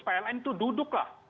pln itu duduklah